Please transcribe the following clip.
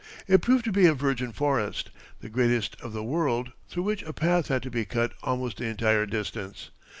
It proved to be a virgin forest, the greatest of the world, through which a path had to be cut almost the entire distance.